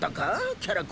キャラ公？